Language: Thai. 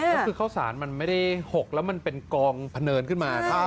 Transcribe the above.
แล้วคือข้าวสารมันไม่ได้๖แล้วมันเป็นกองพะเนินขึ้นมา